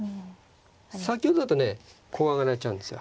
先ほどだとねこう上がられちゃうんですよ。